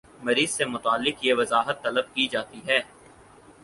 مریض سے متعلق یہ وضاحت طلب کی جاتی ہے